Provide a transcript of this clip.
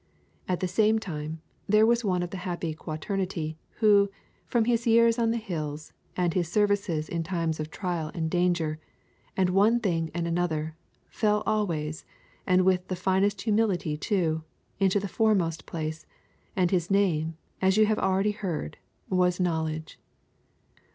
At the same time, there was one of the happy quaternity who, from his years on the hills, and his services in times of trial and danger, and one thing and another, fell always, and with the finest humility too, into the foremost place, and his name, as you have already heard, was Knowledge.